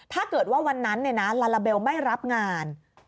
ถ้าเกิดว่าวันนั้นลาลาเบลไม่รับงาน